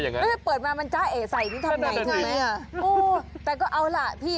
จริงมันลุ้นนะเปิดมามันจ้าเอกใส่นี่ทำไงถูกไหมโอ้โฮแต่ก็เอาล่ะพี่